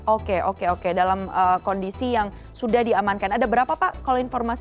oke oke oke dalam kondisi yang sudah diamankan ada berapa pak kalau informasi